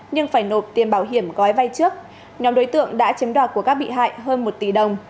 nhưng phải nộp tiền bảo hiểm gói vay trước nhóm đối tượng đã chiếm đoạt của các bị hại hơn một tỷ đồng